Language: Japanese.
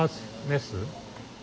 メス。